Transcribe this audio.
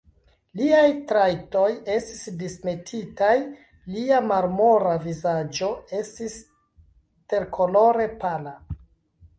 Liaj trajtoj estis dismetitaj; lia marmora vizaĝo estis terkolore pala.